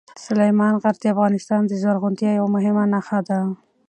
سلیمان غر د افغانستان د زرغونتیا یوه مهمه نښه ده.